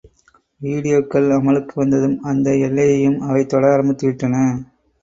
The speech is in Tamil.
வீடியோக்கள் அமலுக்கு வந்ததும் அந்த எல்லையையும் அவை தொட ஆரம்பித்துவிட்டன.